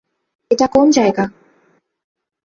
এটা কোন জায়গা?